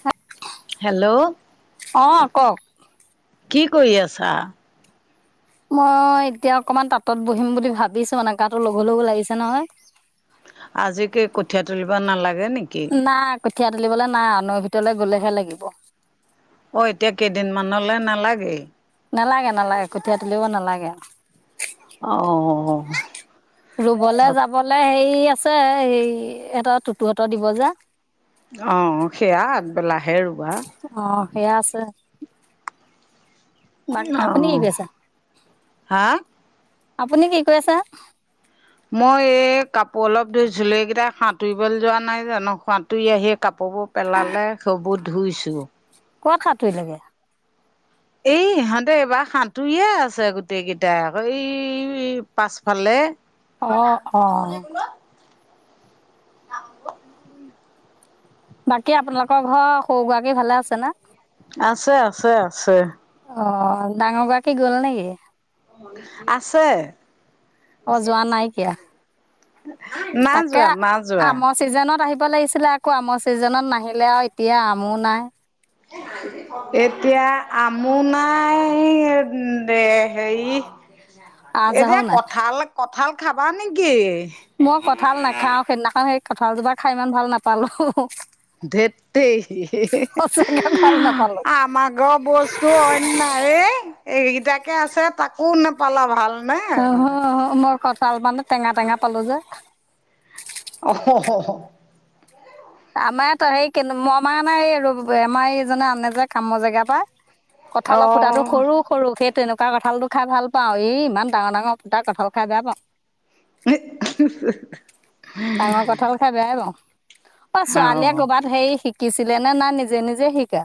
সা হেল্ল'। অঁ কওক। কি কৰি আছা? মই এতিয়া অকণমান তাঁতত বহিম বুলি ভাবিছো মানে গাটো লঘূ লঘূ লাগিছে নহয় আজি কি কঠীয়া তুলিব নালাগে নেকি? নাই কঠীয়া তুলিবলে নাই নৈ ভিতৰলৈ গ'লেহে লাগিব। অ এতিয়া কেইদিনমানলে নালাগেই নালাগে নালাগে কঠীয়া তুলিব নালাগে অ অ ধ বলে হেৰি আছে হে এটা তুতুহতৰ দিব যে অ, সেয়া আগবেলাহে ৰুবা। অ, সেয়া আছে। বাৰু অ আপুনি কি কৰি আছা? হা আপুনি কি কৰি আছা? মই এই কাপোৰ অলপ ধুইছিলোঁ এইকেইটা সাঁতুৰিবলৈ যোৱা নাই জানো সাঁতুৰি আহি, কাপোৰবোৰ পেলালে সেইবোৰ ধুইছোঁ ক'ত সাতুৰিলে গে? এই ইহঁতে এইবাৰ সাঁতুৰিয়ে আছে গোটেই কেইটাই আক এই পাছফালে অ অ। বাকী আপোনালোকৰ ঘৰৰ সৰু গৰাকী ভালে আছে নে? আছে-আছে-আছে। অ, ডাঙৰ গৰাকী গ'ল নেকি? আছে অঁ যোৱা নাইকিয়া না তাকে যোৱা - নাযোৱা। আমৰ ছিজনত আহিব লাগিছিলে আকৌ আমৰ ছিজনত নাহিলে আৰু এতিয়া আমো নাই। এতিয়া আমো নাই হেৰি এতিয়া আজাৰো নাই কঠাল - কঠাল খাবা নেকি? মই কঠাল নাখাও সেইদিনাখন সেই কঠালজোপা খাই ইমান ভাল নাপালো। ধেত তেৰি সঁচাকে ভাল নাপালো হে-হেহা আমাৰ ঘৰ বস্তু অইন নাইয়ে এইকেইটাকে আছে তাকো নেপালা ভাল অহ, অহ মই কঠাল মানে টেঙা - টেঙা পালো যে। অহ হ হহ আমাৰ সেই কে মমাৰ এই ৰ ব নাই আমাৰ এইজনে আনে যে কামৰ জেগাৰ পৰা অ কঠালৰ সুতাটো সৰু সৰু সেই তেনেকুৱা কঁঠালটো খাই ভাল পাও। এই ইমান ডাঙৰ-ডাঙৰ [unintelligible] কঁঠাল খাই বেয়া পাও। ন [unintelligible] ডাঙৰ কঠাল খাই বেয়াই পাও। অ ছোৱালীয়ে কবাত হেই শিকিছিলে নে? না নিজে- নিজে শিকা?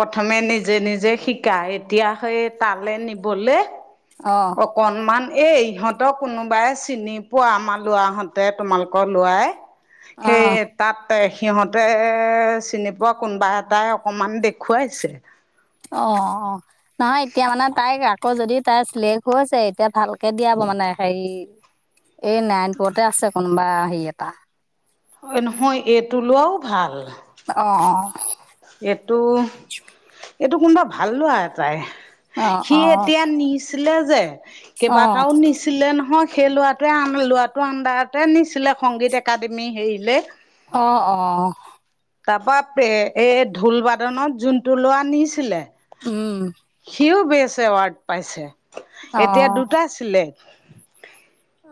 প্ৰথমে নিজে-নিজে শিকা। এতিয়া সেই তালে নিবলে অ। অকণমান এ ইহঁতক কোনোবাই চিনি পোৱা আমাৰ ল'ৰাহঁতে তোমালোকৰ ল'ৰাই অ', সেই তাত সিহঁতে চিনি পোৱা কোনোবা এটাই অকমান দেখুৱাইছে। অ-অ, নহয় এতিয়া মানে তাই আকৌ যদি তাই চিলেক্ট হৈছে এতিয়া ভাল তে দিয়াব মানে হেই এই নাৰায়ণপুৰতে আছে কোনোবা হেই এটা। অ নহয়, এইটো লোৱাও ভাল। অ, অ। এইটো, এইটো কোনবা ভাল লৱা এটাই। অ', অ', সি এতিয়া নিছিলে যে, অ', অ', কেইবাটাও নিছিলে নহয়। সেই লৱাটোৱে লৱাটো আণ্ডাৰতে নিছিলে সংগীত একাডেমি হেৰিলে। অ, অ। তাৰপা এই ঢোল বাদনত যোনটো লৱা নিছিলে। উম। সিও বেচ এৱাৰ্ড পাইছে। এতিয়া অ', দুটা চিলেক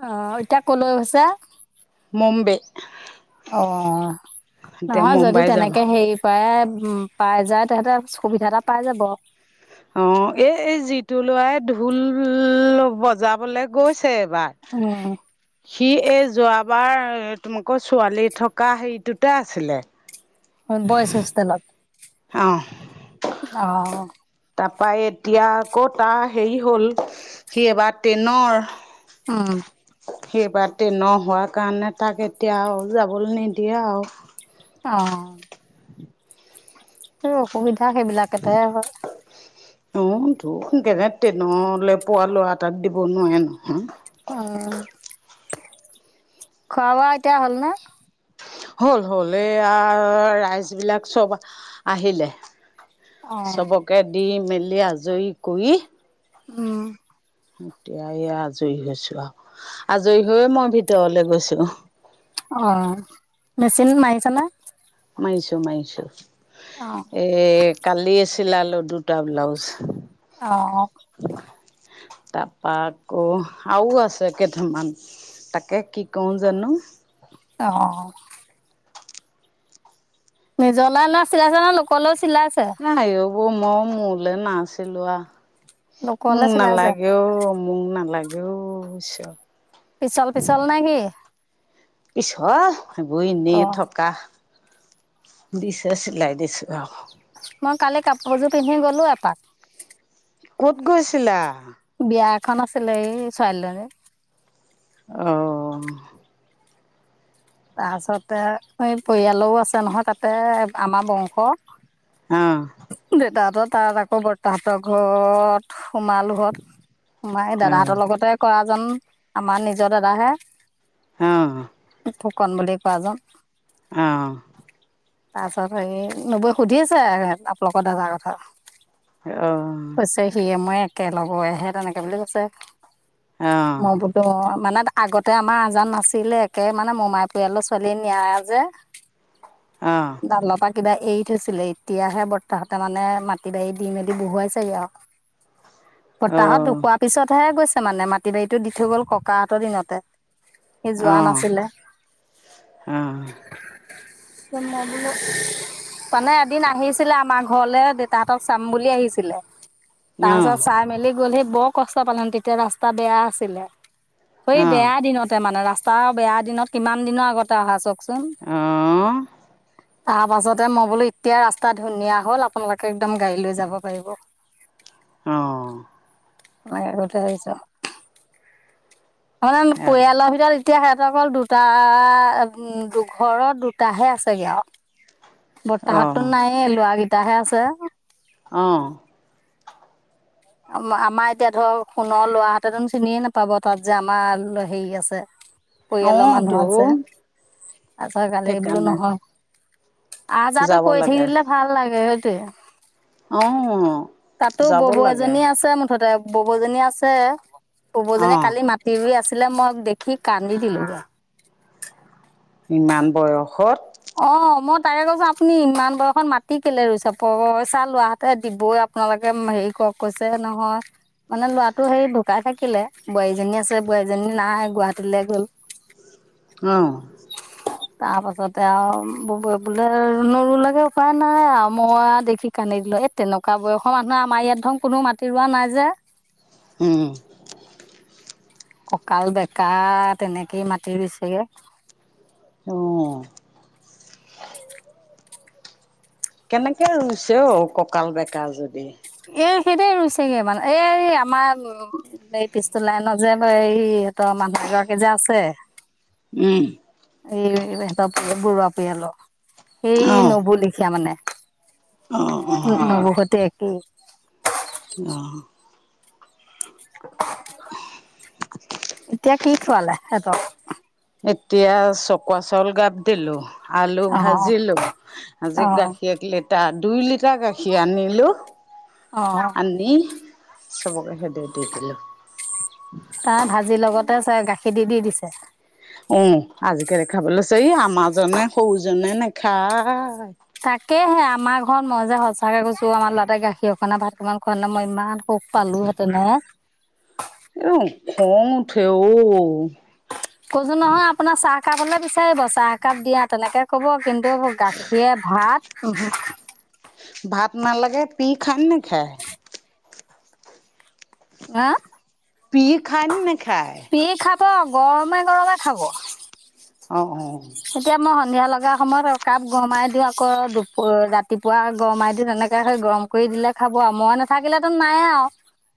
অ, এতিয়া ক'লৈ গৈছে? মুম্বে। অ, এতিয়া নহয় যদি মুম্বাই যাব তেনেকে হেই প্ৰায় উম, পাই যায় তেহেতে সুবিধা এটা পাই যাব। অ এই এই যিটো ল'ৰাই ঢোল বজাবলে গৈছে এবাৰ। অ। সি এই যোৱাবাৰ তোমালোকৰ ছোৱালী থকা হেৰিটোতে আছিলে। [inaudible] অ বয়ছ হোষ্টেলত, অ' অ। তাপা এতিয়া আকৌ তাৰ হেৰি হ'ল সি এবাৰ টেনৰ। অ। সি এইবাৰ টেনৰ হোৱা কাৰণে তাক এতিয়া আৰু যাবলৈ নিদিয়ে আও। অ। মোৰ অসুবিধা সেইবিলাকতে হয়। [unintelligible] অ, তো একেবে টেনলে পোৱা লৱা এটাক দিব নোৱাৰে নহয়। অ। খোৱা-বোৱা এতিয়া হ'ল নে? হ'ল, হ'ল। এইয়া ৰাইজবিলাক চব আহিলে। অ'। চবকে দি মেলি আজৰি কৰি উম। এতিয়া এই আজৰি হৈছো আও। আজৰি হৈয়ে মই ভিতৰলে গৈছো। অ, মেচিন মাৰিছে নে? মাৰিছো, মাৰিছো। অ। এ কালিয়ে চিলালো দুটা ব্লাউজ। অ। [inaudible] তাপা আকৌ আৰু আছে কেটামান, তাকে কি কও জানো? অ। নিজৰলানে চিলাইছেনে লোকলেও চিলাইছে? আঐ এইবোৰ মোৰ মোলৈ নাই চিলোৱা, লোকলে মোক চিলাইছে, নালাগেও মোক নালাগে অ' ঈশ্বৰ। পিছল-পিছল নাই কি? পিছল এইবোৰ এনেই অ', থকা। দিছে চিলাই দিছোঁ আৰু মই কালি কাপোৰযোৰ পিন্ধি গ'লো এপাক। ক'ত গৈছিলা? বিয়া এখন আছিলে এই ছোৱালীজনী। অ' অ তাৰপিছতে এই পৰিয়ালো আছে নহয় তাতে আমাৰ বংশ। অ'। দেউতাহঁতৰ তাত আকৌ বৰ্তাহঁতৰ ঘৰত সোমালোঁ ঘৰত। সোমাই দাদাহঁতৰ অ লগতে কৰা যেন আমাৰ নিজৰ দাদাহে। অ'। ফুকন বুলি কোৱাজন। অ'। তাৰপিছত হেৰি নবৈ সুধি আছে আপোনালোকৰ দাদাৰ কথা। অঁতো কৈছে সিয়ে মই একেলগৰহে তেনেকে বুলি কৈছে। মই বোলো মানে আগতে আমাৰ আজান নাছিলে একে মানে মোমাই পৰিয়ালৰ ছোৱালী নিয়া যে ডালৰ পা কিবা এৰি থৈছিলে, এতিয়াহে বৰ্তাহতে মানে মাটি বাৰী দি মেলি বহুৱাইছেগে আৰু [inaudible] বৰ্তাহঁত ঢুকোৱা পিছতহে গৈছে মানে মাটি-বাৰীটো দি থৈ গ'ল ককাহঁতৰ দিনতে। সি যোৱা নাছিলে। অ'। মই বোলো মানে এদিন আহিছিলে আমাৰ ঘৰলে দেউতাহঁতক চাম বুলি আহিছিলে। তাৰপিছত চাই মেলি গ'লহি বৰ কষ্ট পালেহেন তেতিয়া ৰাস্তা বেয়া আছিলে। [unintelligible] বেয়া দিনতে মানে ৰাস্তা বেয়া দিনত কিমান দিনৰ আগতে অহা চব কচোন, তাৰ পাছতে মই বোলো এতিয়া ৰাস্তা ধুনীয়া হ'ল আপোনালোকে একদম গাড়ী লৈ যাব পাৰিব। অ' এনেকে কৈ থৈ আহিছোঁ। মানে পৰিয়ালৰ ভিতৰত এতিয়া সিহঁতৰ অকল দুটা দুঘৰত দুটাহে আছেগে আৰু বৰ্তাহঁতটো নাই এই, ল'ৰা কেইটাহে আছে। অ' অ' আমাৰ এতিয়া ধৰ সোণৰ ল'ৰাহতে চোন চিনিয়ে নাপাব তাত যে আমাৰ হেৰি আছে। পৰিয়ালৰ মানুহ আছে। আজিকালি এইবোলো সেইকাৰণে নহয়। আহ যাহটো যাব কৰি লাগে থাকিলে ভাল লাগে সেইটোৱে। অ', তাতো যাব ববৌ লাগে। এজনী আছে মুঠতে ববজনী আছে, ববজনীয়ে অঁ কালি মা টিভি আছিলে মই দেখি কান্দি দিলোঁগে। ইমান বয়সত অ' মই তাকে কৈছোঁ, আপুনি ইমান বয়সত মাটি কেলে ৰুইছে প পইচা লোৱা হতে দিবই আপোনালোকে হেৰি কৰক, কৈছে নহয়। মানে ল'ৰাটো হেৰি ঢুকাই থাকিলে। বোৱাৰীজনী আছিলে, বোৱাৰীজনী নাই গুৱাহাটীলৈ গ'ল। [unintelligible] অ' তাৰ পাছত তে আও, বৌ বোলে নুৰুলেগে উপায় নাই আৰু মই দেখি কান্দি দিলোঁ। তেনেকুৱা বয়সৰ মানুহে আমাৰ ইয়াত ধৰক কোনো মাটি ৰোৱা নাই যে। উম। কঁকাল বেঁকা, তেনেকেই মাটি ৰুইছেগে। অঁ। কেনেকে ৰুইছে অ কঁকাল বেকা যদি? এই সেইটেই ৰুইছেগে মানে, এই আমাৰ- এই পিছটোলাইনৰ যে ব এই সিহঁতৰ মানুহ এগৰাকী যে আছে, উম এই হেঁতৰ বৰুৱা পৰিয়ালৰ। সেই অঁ নবৌ লিখিয়া মানে। অঁ অঁ উম, নবৌ গতে একেই। অহ। এতিয়া কি খোৱালে সিহঁতক? এতিয়া চকুৱা চাউল গাপ দিলো। আলু অ ভাজিলো। অ আজি গাখীৰ এক লিটাৰ, দুই লিটাৰ গাখীৰ আনিলো। অহ। আনি, চবকে সেদে দি দিলোঁ। তাৰ ভাজিৰ লগতে চাগে গাখীৰ দি, দি দিছে? উ, আজিকালি খাব লৈছে। এই আমাৰজনে সৰুজনে নেখায়। তাকেহে আমাৰ ঘৰত মই যে সঁচাকৈ কৈছো আমাৰ ল'ৰাটোৱে গাখীৰ অকণমান ভাতকমান খোৱা নাই মই ইমান সুখ পালোহেতেনে এ। এও, খওঁ উঠে অ। ক'ছোঁ নহয় আপোনাৰ চাহকাপলে বিচাৰিব, চাহ একাপ দিয়া তেনেকে ক'ব কিন্তু গাখীৰে ভাত [unintelligible] ভাত নালাগে পিল খাই নে নেখাই? হা! পি খা‌ই নে নেখাই? পি খাব গৰমে গৰমে খাব। অ অ। এতিয়া মই সন্ধিয়া লগা সময়ত কাপ গৰমাই দিওঁ আকৌ দুপ ৰাতিপুৱা গৰমাই দিওঁ তেনে- কে গৰম কৰি দিলে খাব আৰু মই নাথাকিলেতো নাইয়ে আৰু।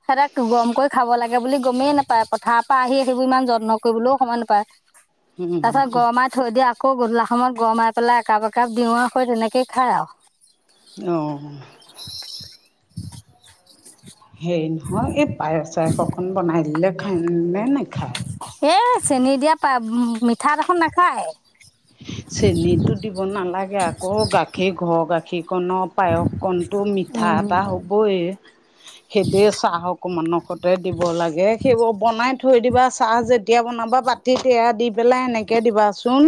সেঁতে গম কৰি খাব লাগে বুলি গমেই নাপায়। পথাৰ পৰা আহি সেইবোৰ ইমান যত্ন কৰিবলৈও সময় নাপায়। [inaudible] তাৰপিছত গৰমাত থৈ দিয়ে, আকৌ গধূলা সময়ত গৰমাই পেলাই একাপ-একাপ দিও আকৌ সেই তেনেকেই খায় আৰু। অঁ। [unintelligible] হেৰি নহয় এই পায়স চায়স অকণ বনাই দিলে খায়ে নে নাখায়? এ চেনী দিয়া পায়স মিঠা দেখোন নাখায়। চেনীতো দিব নালাগে আক গাখীৰ ঘৰৰ গাখীৰকনত পায়সকণটো মিঠা উম, এটা হ'বই সেইটোৱেই চাহ অকমান দিব লাগে। সেইবোৰ বনাই থৈ দিবা চাহ যেতিয়া বনাবা বাতি পেলাই এনেকে দিবাচোন।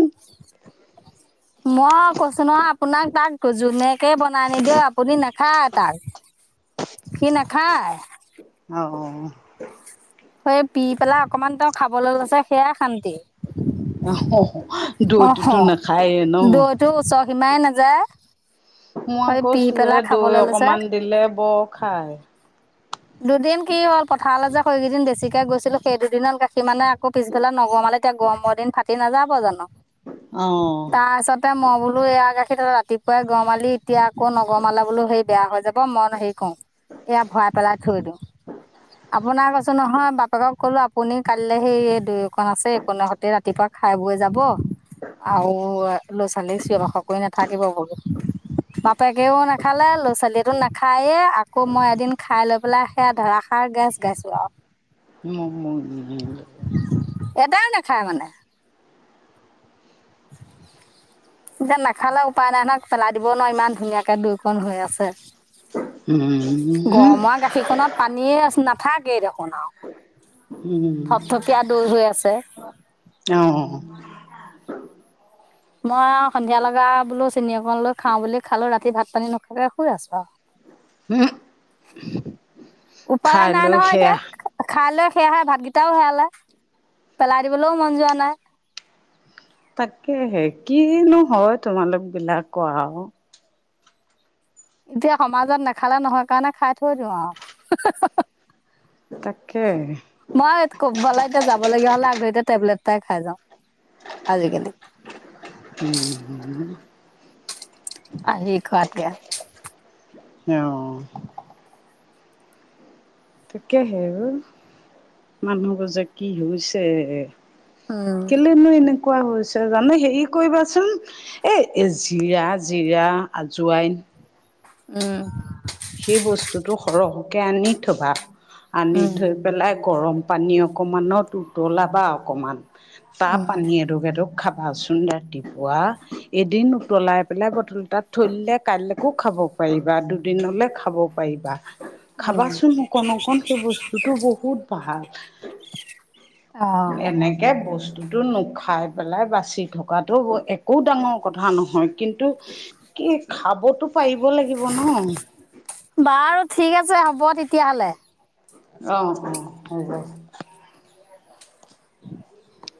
মই কৈছো নহয় আপোনাক তাক ক জুনেকে বনাই নিদিয়ও আপুনি নাখায়, সি নাখাই। অ। সেই পি পেলাই অকনমান তেওঁ খাবলৈ লৈছে সেয়াই শান্তি। অ হ হ দৈ টোতো নাখায়ে ন? টো চত মাই নাযায়। মই সেই আকৌ পি চিৰা পেলাই দৈ খাবলৈ লৈছে। অকমান দিলে বৰ খাই। দুদিন কি হ'ল পথাৰলে যে সৈইকেইদিন বেছিকে গৈছিলো সেই দুদিনত গাখীৰ মানে আকৌ পিছবেলা নগমালে। এতিয়া গৰমৰ দিন ফাটি নাযাব জানো? অ তাৰপিছতে মই বোলো এয়া গাখীৰত ৰাতিপুৱাই গমালি এতিয়া আকৌ নগমালে বোলো সেই বেয়া হৈ যাব মই হে কও এয়া ভৰাই পেলাই থৈ দিও [unintelligible] আপোনাৰ কৈছো নহয় বাপেকক ক'লো আপুনি কাইলে সেই এই দৈ কন আছে এইকণৰ সৈতি ৰাত ৰাতিপুৱা খাই বৈ যাব। আৰু ল'ৰা ছোৱালীক চিঞৰ বাখৰ কৰি নাথাকিব বোলো বাপেকেও নাখালে ল'ৰা ছোৱালীয়েটো নাখায়েই আকৌ মই এদিন খাই লৈ পেলাই সেয়া ধাৰাষাৰ গেছ গাইছোঁ আও [unintelligible] এটায়েও নাখায় মানে। [unintelligible] এতিয়া নাখালে উপায় নাই নহয় পেলাই দিবও নোৱাৰি ইমান ধুনীয়াকে দৈ কণ হৈ আছে। গৰমোৱা গাখীৰ কনত পানীয়ে আছ নাথাকে দেখোন আও উম থপথপীয়া দৈ হৈ আছে অ মই সন্ধিয়া লগা বোলো চেনি অকন লৈ খাওঁ বুলি খালোঁ ৰাতি ভাত পানী নোখোৱাকে শুই আছো আও উপায় খাই নাই লৈ নহয় এতিয়া। সেয়া খাই লৈ সেয়াহে ভাতগিটাও সেয়ালে পেলাই দিবলৈও মন যোৱা নাই। তাকে সে কিনো হয় তোমালোক বিলাকৰ আও এতিয়া সমাজত নেখালে নহয় কাৰণে খাই থৈ দিওঁ আও তাকে। মই ক'বালেকে এতিয়া যাব লগীয়া হ'লে আগধৰিতে টেবলেট এটা খাই যাওঁ আজিকালি উম, আহি খোৱাতকে। অ, তাকেহে অ মানুহবোৰ যে কি হৈছে। উম কেলেনো এনেকুৱা হৈছে জানো হেৰি কৰিবাচোন এই এই জিৰা জিৰা আজুৱাইন উম সেই বস্তুটো সৰহকে আনি থবা আনি উম থৈ পেলাই গৰম পানী অকণমানত উতলাবা অকণমান। তা উম পানী এডোক এডোক খাবাচোন ৰাতিপুৱা এদিন উতলাই পেলাই বটল তাত থৈ দিলে কালিলৈকো খাব পাৰিবা দুদিনলে খাব পাৰিবা উম খাবাচোন অকন অকন সেই বস্তু বস্তুটো বহুত ভাল। অ এনেকে বস্ স্তুটো নুখাই পেলাই বাচি থকাটো একো ডাঙৰ কথা নহয় কিন্তু কি খাবতো পাৰিব লাগিব ন। বাৰু ঠিক আছে হ'ব তেতিয়াহ'লে। অ, অ, হব। [unintelligible]